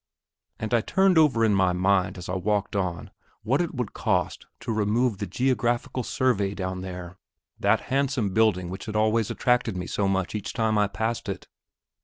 And I turned over in my mind as I walked on what it would cost to remove the Geographical Survey down there that handsome building which had always attracted me so much each time I passed it.